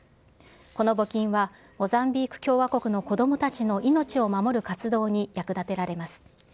この募金はモザンビーク共和国の子どもたちの命を守る活動に役立てられます。